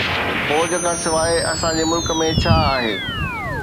فوج کان سواءِ اسان جي ملڪ ۾ ڇا آهي؟